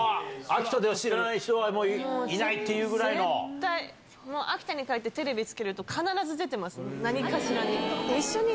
秋田では知らない人はもうい絶対、もう秋田に帰って、テレビつけると、必ず出てますよ、何かしらに。